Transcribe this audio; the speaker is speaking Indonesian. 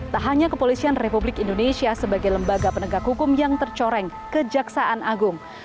tak hanya kepolisian republik indonesia sebagai lembaga penegak hukum yang tercoreng kejaksaan agung